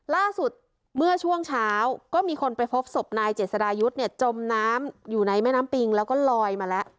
ล่าสุดเมื่อช่วงเช้าก็มีคนไปพบศพนายเจษดายุทธ์เนี่ยจมน้ำอยู่ในแม่น้ำปิงแล้วก็ลอยมาแล้ว